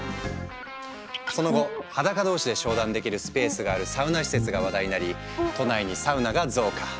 その後裸同士で商談できるスペースがあるサウナ施設が話題になり都内にサウナが増加。